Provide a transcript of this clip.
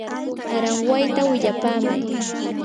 aranwayta willapamay.